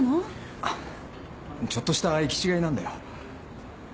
ああちょっとした行き違いなんだよ。